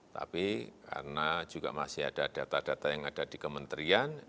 tapi karena juga masih ada data data yang ada di kementerian